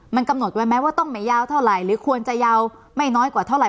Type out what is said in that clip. มันกำหนดไว้ไหมว่าต้องไม่ยาวเท่าไหร่หรือควรจะยาวไม่น้อยกว่าเท่าไห